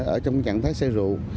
ở trong trạng thái xe rượu